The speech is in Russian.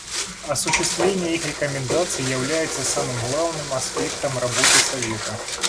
Осуществление их рекомендаций является самым главным аспектом работы Совета.